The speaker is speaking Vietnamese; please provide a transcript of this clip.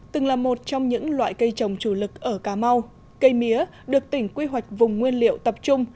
từng là một trong những loại cây trồng chủ lực ở cà mau cây mía được tỉnh quy hoạch vùng nguyên liệu tập trung